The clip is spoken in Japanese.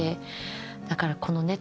だからこのね